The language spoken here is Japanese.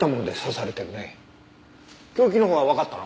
凶器のほうはわかったの？